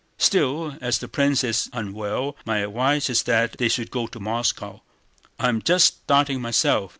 "Still, as the prince is unwell my advice is that they should go to Moscow. I am just starting myself.